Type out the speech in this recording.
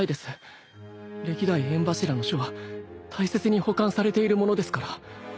歴代炎柱の書は大切に保管されているものですから。